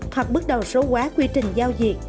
hoặc bắt đầu số quá quy trình giao diệt